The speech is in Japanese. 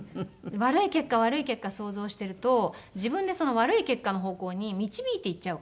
悪い結果悪い結果想像していると自分でその悪い結果の方向に導いていっちゃうから自分を。